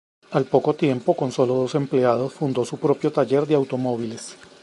Al poco tiempo, con solo dos empleados, fundó su propio taller de automóviles.